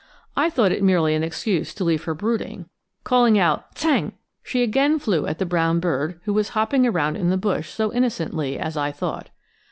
I thought it merely an excuse to leave her brooding. Calling out "tsang," she again flew at the brown bird who was hopping around in the bush, so innocently, as I thought.